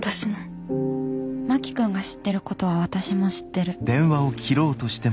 真木君が知ってることは私も知ってる。